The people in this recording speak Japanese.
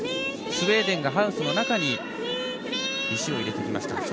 スウェーデンがハウスの中に石を入れてきました。